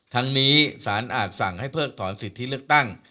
ทั้งนี้สารอาจสั่งให้เพิกถอนสิทธิเลือกตั้ง